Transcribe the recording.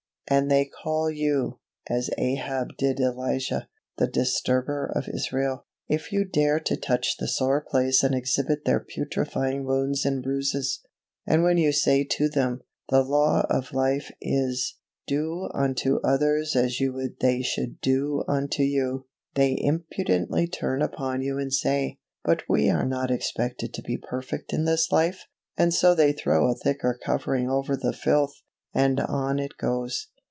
And they call you, as Ahab did Elijah, the disturber of Israel, if you dare to touch the sore place and exhibit their putrifying wounds and bruises; and when you say to them, "The law of life is, 'Do unto others as you would they should do unto you,'" they impudently turn upon you and say, "But we are not expected to be perfect in this life," and so they throw a thicker covering over the filth, and on it goes.